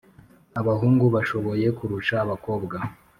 abahungu bashoboye kurusha abakobwa,